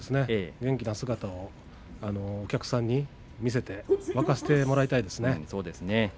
元気な姿をお客さんに見せて沸かせてもらいたいですね。